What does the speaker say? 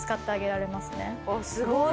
すごーい！